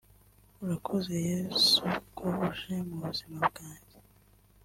Urakoze Yesu ko uje mu buzima bwajye